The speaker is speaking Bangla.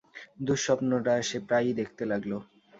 দুঃস্বপ্নটা সে প্রায়ই দেখতে লাগল!